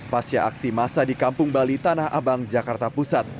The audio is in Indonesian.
pas ya aksi massa di kampung bali tanah abang jakarta pusat